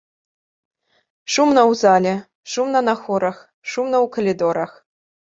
Шумна ў зале, шумна на хорах, шумна ў калідорах.